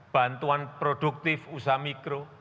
bantuan produktif usaha mikro